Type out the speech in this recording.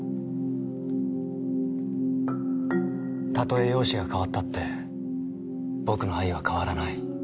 例え容姿が変わったって僕の愛は変わらない。